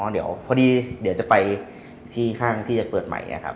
อ๋อเดี๋ยวพอดีเดี๋ยวจะไปที่ห้างที่จะเปิดใหม่